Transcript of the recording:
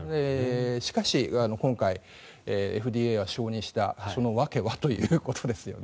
しかし、今回ＦＤＡは承認したその訳は？ということですよね。